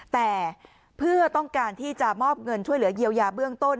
แต่เพื่อต้องการที่จะมอบเงินช่วยเหลือเยียวยาเบื้องต้น